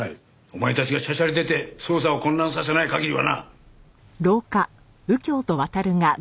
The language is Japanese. お前たちがしゃしゃり出て捜査を混乱させない限りはな。